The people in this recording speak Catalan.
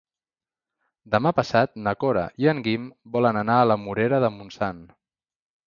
Demà passat na Cora i en Guim volen anar a la Morera de Montsant.